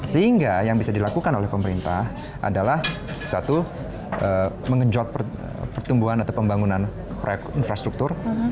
sehingga yang bisa dilakukan oleh pemerintah adalah satu mengejot pertumbuhan atau pembangunan proyek infrastruktur